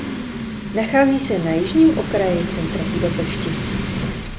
Nachází se na jižním okraji centra Budapešti.